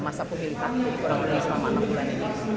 masa pemilihan kurang lebih selama enam bulan ini